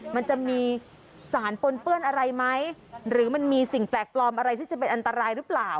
มันจะมีสารปนเปื้อนอะไรไหมหรือมันมีสิ่งแปลกปลอมอะไรที่จะเป็นอันตรายหรือเปล่า